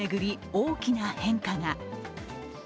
大きな変化が。